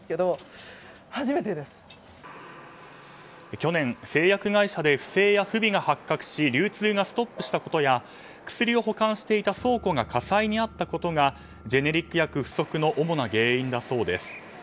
去年、製薬会社で不正や不備が発覚し流通がストップしたことや薬を保管していた倉庫が火災にあったことがジェネリック薬不足の主な原因だそうです。